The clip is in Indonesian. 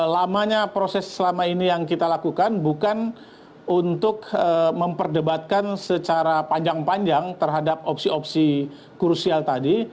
lamanya proses selama ini yang kita lakukan bukan untuk memperdebatkan secara panjang panjang terhadap opsi opsi krusial tadi